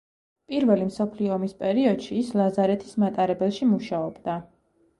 პირველი მსოფლიო ომის პერიოდში ის ლაზარეთის მატარებელში მუშაობდა.